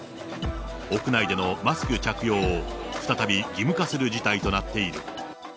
屋内でのマスク着用を再び義務化する事態となっている。